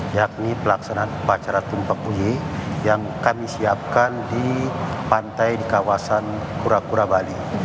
yakni pelaksanaan upacara tumpah puji yang kami siapkan di pantai di kawasan kura kura bali